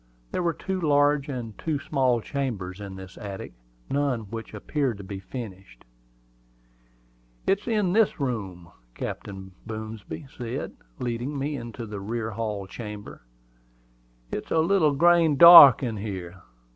There were two large and two small chambers in this attic, none of which appeared to be furnished. "It is in this room," said Captain Boomsby, leading me into the rear hall chamber. "It's a little grain dark in here."